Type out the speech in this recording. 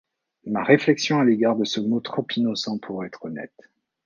Ma réflexion à l'égard de ce mot trop innocent pour être honnête…